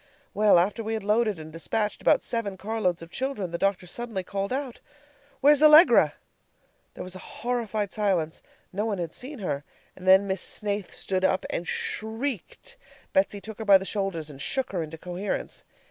Well, after we had loaded and despatched about seven car loads of children, the doctor suddenly called out: "Where's Allegra?" There was a horrified silence. No one had seen her. And then Miss Snaith stood up and SHRIEKED. Betsy took her by the shoulders, and shook her into coherence.